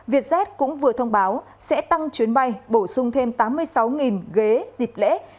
vietjet cũng vừa thông báo sẽ tăng chuyến bay bổ sung thêm tám mươi sáu ghế dịp lễ